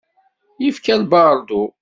Yefka baṛdu.